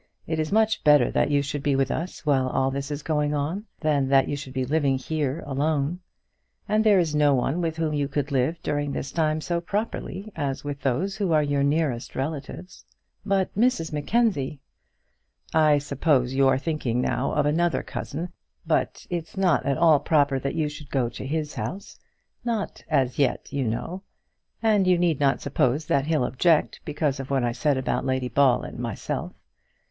It is much better that you should be with us while all this is going on, than that you should be living here alone. And there is no one with whom you could live during this time so properly, as with those who are your nearest relatives." "But, Mrs Mackenzie " "I suppose you are thinking now of another cousin, but it's not at all proper that you should go to his house; not as yet, you know. And you need not suppose that he'll object because of what I said about Lady Ball and myself.